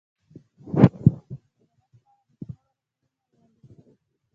ازادي راډیو د عدالت په اړه د شخړو راپورونه وړاندې کړي.